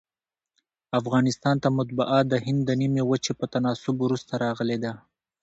افغانستان ته مطبعه دهند د نیمي وچي په تناسب وروسته راغلې ده.